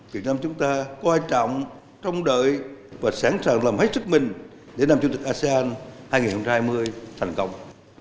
việt nam chúng ta quan trọng trông đợi và sẵn sàng làm hết sức mình để làm chủ tịch asean hai nghìn hai mươi thành công